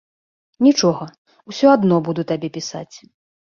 Нічога, усё адно буду табе пісаць.